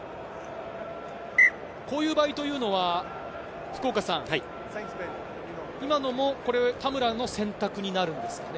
こういう場合というのは、今のも田村の選択になるんですよね。